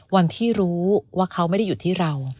วันที่รู้ว่าเขาไม่ได้อยู่ที่เรา